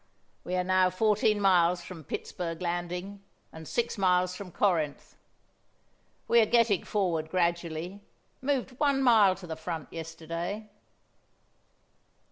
"We are now fourteen miles from Pittsburg Landing, and six miles from Corinth. We are getting forward gradually; moved one mile to the front yesterday."